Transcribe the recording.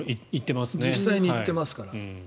実際に行ってますから。